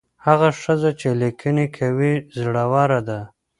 هغه ښځه چې لیکنې کوي زړوره ده.